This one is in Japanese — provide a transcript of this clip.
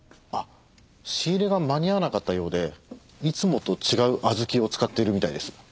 あっ仕入れが間に合わなかったようでいつもと違う小豆を使っているみたいです。